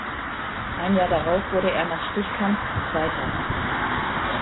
Ein Jahr darauf wurde er nach Stichkampf Zweiter.